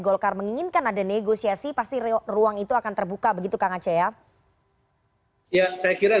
golkar menginginkan ada negosiasi pasti ruang itu akan terbuka begitu kang aceh ya saya kira